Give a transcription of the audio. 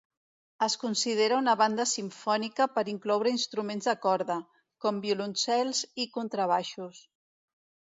Es considera una banda simfònica per incloure instruments de corda; com violoncels i contrabaixos.